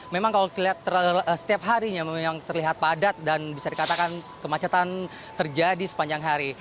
memang kalau kita lihat setiap harinya memang terlihat padat dan bisa dikatakan kemacetan terjadi sepanjang hari